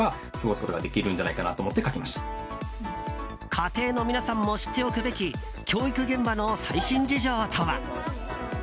家庭の皆さんも知っておくべき教育現場の最新事情とは。